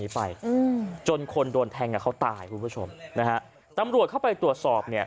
ไปอืมจนคนโดนแทงกับเขาตายคุณผู้ชมนะฮะตำรวจเข้าไปตรวจสอบเนี่ย